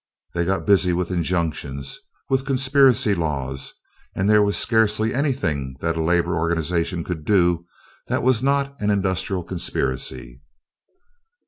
They got busy with injunctions, with conspiracy laws, and there was scarcely anything that a labor organization could do that was not an industrial conspiracy.